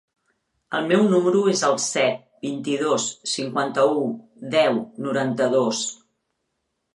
El meu número es el set, vint-i-dos, cinquanta-u, deu, noranta-dos.